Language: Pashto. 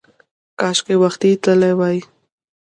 کاشکې وختي تللی وای!